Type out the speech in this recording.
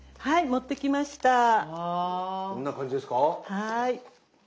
はい。